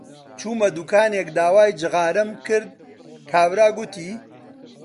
چوومە دووکانێک داوای جغارەم کرد، کابرا گوتی: